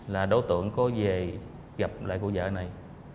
là đối tượng có về gặp lại cô vợ này